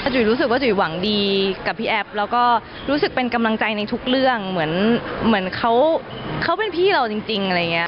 จุ๋ยรู้สึกว่าจุ๋ยหวังดีกับพี่แอฟแล้วก็รู้สึกเป็นกำลังใจในทุกเรื่องเหมือนเหมือนเขาเป็นพี่เราจริงอะไรอย่างเงี้